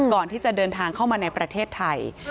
ก่อนที่จะเดินทางเข้ามาในประเทศไทย